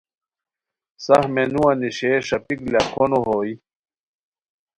سف مینوان نیشئے ݰاپیک لاکھونو ہوئے